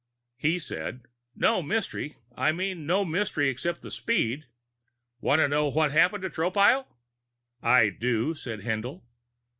He said: "No mystery. I mean no mystery except the speed. Want to know what happened to Tropile?" "I do," said Haendl.